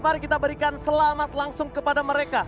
mari kita berikan selamat langsung kepada mereka